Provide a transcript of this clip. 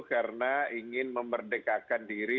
karena ingin memerdekakan diri